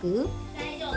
大丈夫？